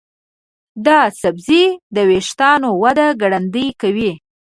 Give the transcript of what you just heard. دا سبزی د ویښتانو وده ګړندۍ کوي.